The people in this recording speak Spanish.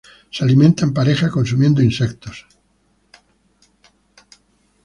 Se alimenta en pareja consumiendo insectos.